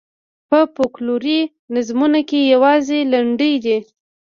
په فوکلوري نظمونو کې یوازې لنډۍ دي.